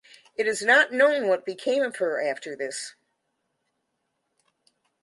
It is not known what became of her after this.